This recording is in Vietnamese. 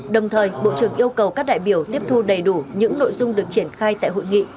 đồng thời bộ trưởng yêu cầu các đại biểu tiếp thu đầy đủ những nội dung được triển khai tại hội nghị